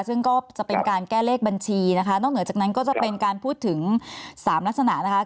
ซึ่งก็จะเป็นการแก้เลขบัญชีนะคะนอกเหนือจากนั้นก็จะเป็นการพูดถึง๓ลักษณะนะคะ